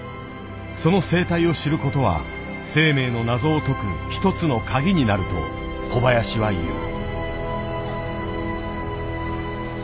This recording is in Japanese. その生態を知る事は生命の謎を解く一つの鍵になると小林は言う。